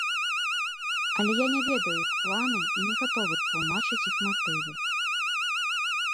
Але я не ведаю іх планы і не гатовы тлумачыць іх матывы.